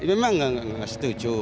memang nggak setuju